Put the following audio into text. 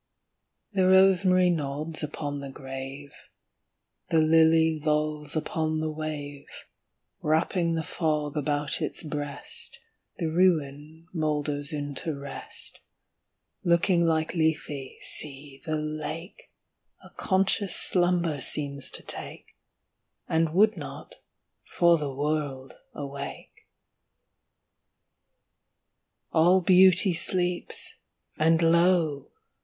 The rosemary nods upon the grave; The lily lolls upon the wave; Wrapping the fog about its breast, The ruin moulders into rest; Looking like Lethe, see! the lake A conscious slumber seems to take, And would not, for the world, awake. All Beauty sleeps! and lo!